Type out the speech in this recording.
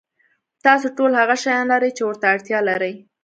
تاسو ټول هغه شیان لرئ چې ورته اړتیا لرئ.